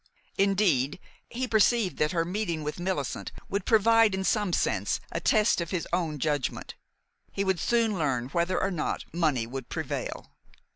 Indeed, he perceived that her meeting with Millicent would provide in some sense a test of his own judgment. He would soon learn whether or not money would prevail.